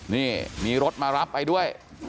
นี่มีรถมารับไปด้วย